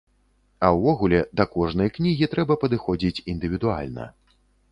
А ўвогуле, да кожнай кнігі трэба падыходзіць індывідуальна.